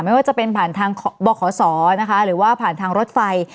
ไม่ว่าจะเป็นผ่านทางบขศนะคะหรือว่าผ่านทางรถไฟ